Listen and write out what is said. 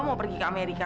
mau pergi ke amerika